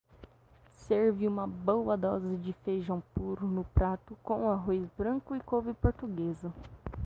Servi uma boa dose de feijoada num prato, com arroz branco e couve portuguesa.